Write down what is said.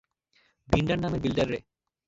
ভিন্ডার নামের বিল্ডাররে।